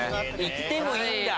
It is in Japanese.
行ってもいいんだ！